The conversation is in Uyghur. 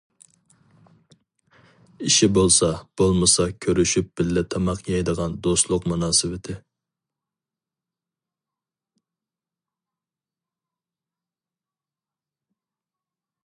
ئىشى بولسا بولمىسا كۆرۈشۈپ بىللە تاماق يەيدىغان دوستلۇق مۇناسىۋىتى.